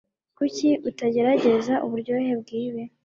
Kuki utagerageza uburyohe bwibi